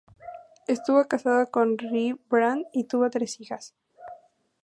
Estuvo casado con Rae Brand, y tuvo tres hijas.